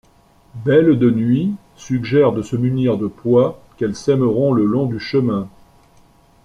Belle-de-Nuit suggère de se munir de pois qu'elles sèmeront le long du chemin.